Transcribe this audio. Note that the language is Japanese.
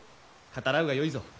語らうがよいぞ。